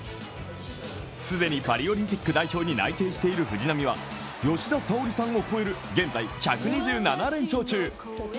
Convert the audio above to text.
既にパリオリンピック代表に内定している藤波は吉田沙保里さんを超える現在１２７連勝中。